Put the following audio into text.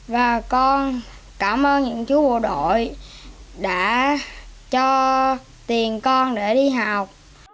và con cảm ơn những chú bộ đội đã cho tiền con để đi học